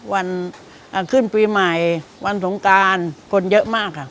วันขึ้นปีใหม่วันสงการคนเยอะมากค่ะ